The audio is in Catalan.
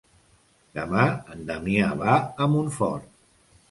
Demà en Damià va a Montfort.